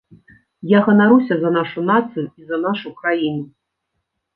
Я ганаруся за нашу нацыю і за нашу краіну.